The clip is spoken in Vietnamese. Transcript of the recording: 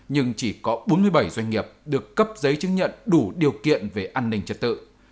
nhưng chỉ có bốn mươi bảy doanh nghiệp được cấp giấy chứng nhận đủ điều kiện về an ninh trật tự